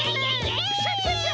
クシャシャシャ！